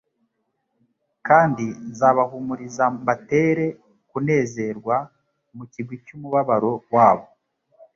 «Kandi nzabahumuriza mbatere- kunezerwa mu kigwi cy'umubabaro wabo.»